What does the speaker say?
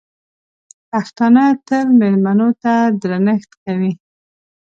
پښتانه تل مېلمنو ته درنښت ورکوي.